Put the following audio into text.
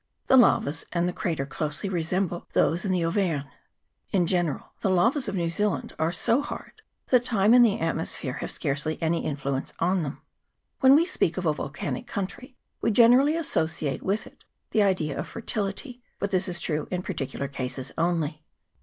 The lavas and the crater closely resemble those in the Auvergne. In general the lavas of New Zealand R2 244 VOLCANIC LAVAS. [PART II. are so hard, that time and the atmosphere have scarcely any influence on them. When we speak of a volcanic country we generally associate with it the idea of fertility ; but this is true in particular cases only.